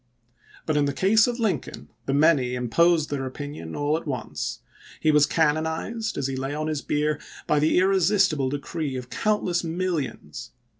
But in the case of Lincoln the many imposed their opinion all at once; he was canonized, as he lay on his bier, by the ir resistible decree of countless millions.